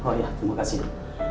oh iya terima kasih